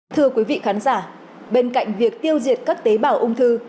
thưa quý vị khán giả bên cạnh việc tiêu diệt các tế bào ung thư